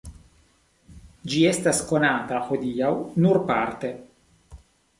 Ĝi estas konata hodiaŭ nur parte.